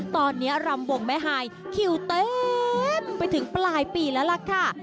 ตอนนี้รำวงแม่ฮายคิวเต็มไปถึงปลายปีแล้วล่ะค่ะ